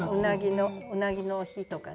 「うなぎの日」とかね。